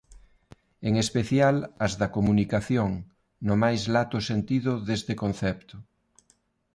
En especial, as da comunicación, no máis lato sentido deste concepto.